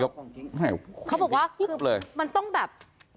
เขาบอกว่าคือมันต้องแบบ